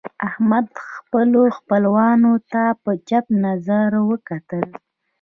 احمد خپلو خپلوانو ته په چپ نظر وکتل.